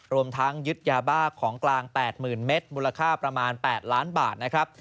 รวมทั้งยึดยาบ้าของกลาง๘๐๐๐เมตรมูลค่าประมาณ๘ล้านบาทนะครับ